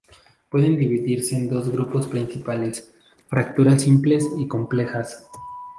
Pueden dividirse en dos grupos principales, fracturas simples y complejas.